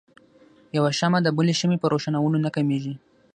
يوه شمعه د بلې شمعې په روښانؤلو نه کميږي.